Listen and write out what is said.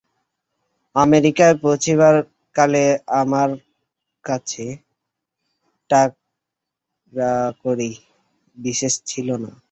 America পৌঁছিবার কালে আমার কাছে টাকাকড়ি বিশেষ ছিল না।